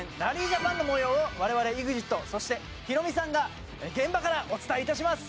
ジャパンの模様を我々ＥＸＩＴそして、ヒロミさんが現場からお伝えいたします。